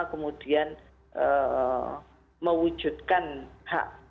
kemudian mewujudkan hak